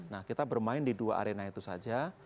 nah kita bermain di dua arena itu saja